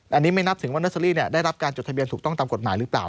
อันนี้ไม่นับถึงว่าเนอร์เซอรี่ได้รับการจดทะเบียนถูกต้องตามกฎหมายหรือเปล่า